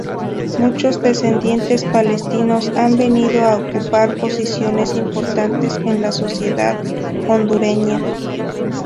Muchos descendientes palestinos han venido a ocupar posiciones importantes en la sociedad hondureña.